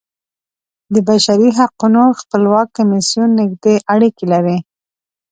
د بشري حقونو خپلواک کمیسیون نږدې اړیکې لري.